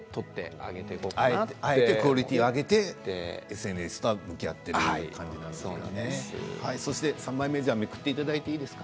あえてクオリティーを上げて、ＳＮＳと向き合っている感じなんですかね。